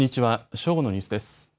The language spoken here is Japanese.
正午のニュースです。